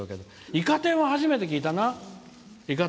イカ天は初めて聞いたな。